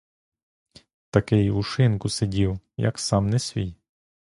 Такий у шинку сидів, як сам не свій?